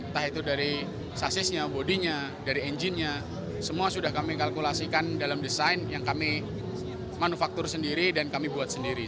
entah itu dari sasisnya bodinya dari engine nya semua sudah kami kalkulasikan dalam desain yang kami manufaktur sendiri dan kami buat sendiri